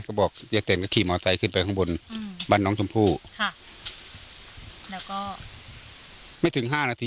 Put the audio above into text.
ก็บอกยายเต็มก็ขี่มอเตอร์ขึ้นไปข้างบนอืมบ้านน้องชมพู่ค่ะแล้วก็ไม่ถึงห้านาที